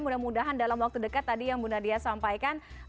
mudah mudahan dalam waktu dekat tadi yang bu nadia sampaikan